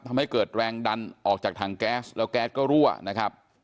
ทำให้เกิดแรงดันออกจากถังแก๊สแล้วแก๊สก็รั่วนะครับ